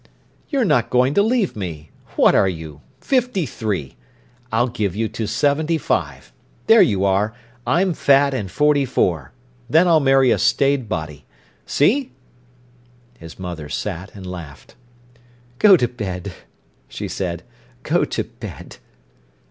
"You're not going to leave me. What are you? Fifty three! I'll give you till seventy five. There you are, I'm fat and forty four. Then I'll marry a staid body. See!" His mother sat and laughed. "Go to bed," she said—"go to bed."